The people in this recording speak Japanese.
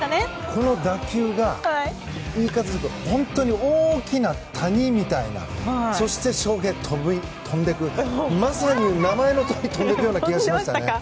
この打球が本当に大きな谷みたいなそして飛んでいくまさに名前のとおり飛んでいくような感じがしましたね。